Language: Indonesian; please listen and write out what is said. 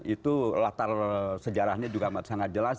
itu latar sejarahnya juga sangat jelas